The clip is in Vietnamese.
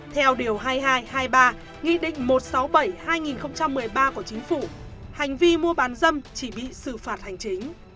theo điều hai nghìn hai trăm hai mươi ba nghị định một trăm sáu mươi bảy hai nghìn một mươi ba của chính phủ hành vi mua bán dâm chỉ bị xử phạt hành chính